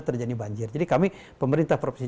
terjadi banjir jadi kami pemerintah provinsi